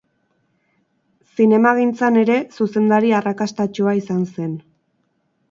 Zinemagintzan ere zuzendari arrakastatsua izan zen.